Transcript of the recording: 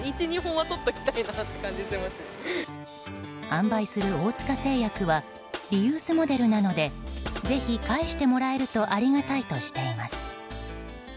販売する大塚製薬はリユースモデルなのでぜひ返してもらえるとありがたいとしています。